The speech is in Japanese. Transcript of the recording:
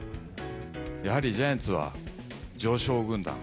やはりジャイアンツは常勝軍団。